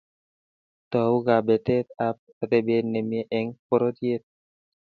Tou kabetetab atebet ne mie eng pororiet